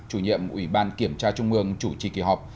chủ nhiệm ủy ban kiểm tra trung ương chủ trì kỳ họp